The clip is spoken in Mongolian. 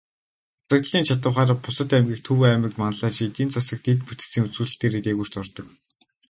Засаглалын чадавхаараа бусад аймгийг Төв аймаг манлайлж, эдийн засаг, дэд бүтцийн үзүүлэлтээрээ дээгүүрт ордог.